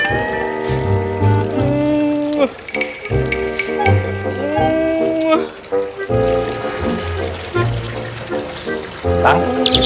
itu kita kita hampir mentiqus